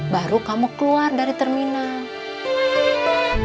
baru kamu keluar dari terminal